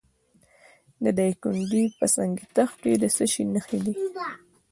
د دایکنډي په سنګ تخت کې د څه شي نښې دي؟